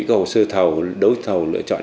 cầu sơ thầu đối thầu lựa chọn